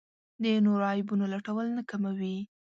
د نورو عیبونو لټول نه کموي.